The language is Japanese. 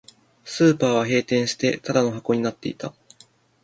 スーパーは閉店して、ただの箱になっていた